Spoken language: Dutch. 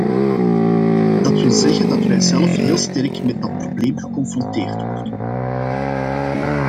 Dat wil zeggen dat wij zelf heel sterk met dat probleem geconfronteerd worden.